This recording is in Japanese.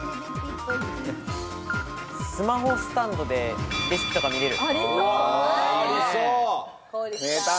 スマホスタンドでレシピとか見れる。